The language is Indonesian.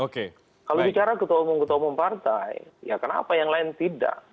kalau bicara ketua umum ketua umum partai ya kenapa yang lain tidak